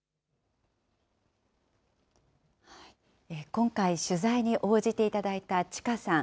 今回、取材に応じていただいたちかさん。